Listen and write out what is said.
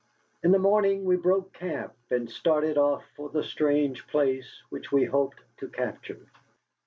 In the morning we broke camp and started off for the strange place which we hoped to capture.